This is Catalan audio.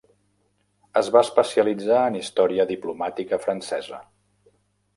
Es va especialitzar en història diplomàtica francesa.